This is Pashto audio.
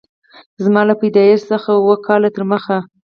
زما له پیدایښت څخه اووه کاله تر مخه